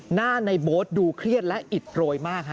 หน้าในโบ๊ทดูเครียดและอิดโรยมากฮะ